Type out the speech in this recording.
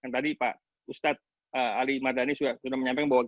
tadi pak ustadz ali mardani sudah menyampaikan bahwa